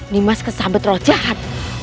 nimas kesambet roh jahat